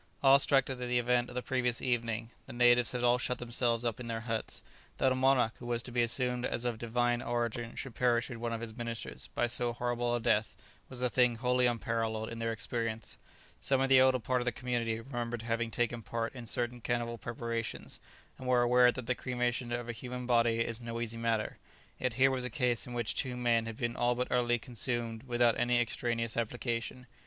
Awe struck at the event of the previous evening, the natives had all shut themselves up in their huts. That a monarch who was to be assumed as of divine origin should perish with one of his ministers by so horrible a death was a thing wholly unparalleled in their experience. Some of the elder part of the community remembered having taken part in certain cannibal preparations, and were aware that the cremation of a human body is no easy matter, yet here was a case in which two men had been all but utterly consumed without any extraneous application.